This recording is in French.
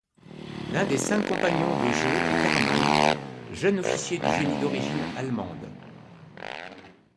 L'un des cinq compagnons de jeu est Hermann, jeune officier du génie d'origine allemande.